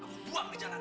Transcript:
aku buang di jalanan